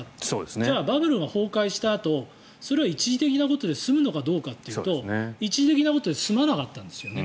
じゃあ、バブルが崩壊したあとそれは一時的なことで済むのかどうかというと一時的なことで済まなかったんですね。